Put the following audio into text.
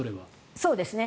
そうですね。